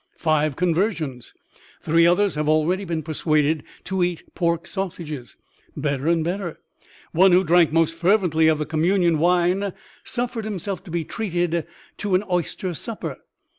Five conversions!! Three others have already been persuaded to eat pork sausages. (Better and better.) One, who drank most fervently of the communion wine suffered himself to be treated to an oyster supper.